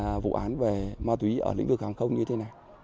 đối với vụ án về ma túy ở lĩnh vực hàng không như thế nào